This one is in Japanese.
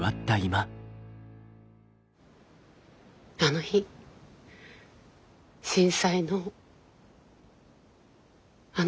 あの日震災のあの夜。